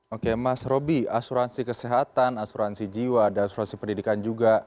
oke mas roby asuransi kesehatan asuransi jiwa ada asuransi pendidikan juga